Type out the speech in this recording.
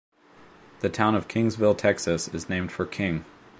The town of Kingsville, Texas is named for King.